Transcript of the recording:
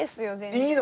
いいの？